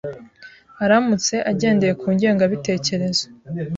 aramutse agendeye ku ngengabitekerezo